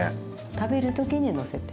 食べる時にのせて。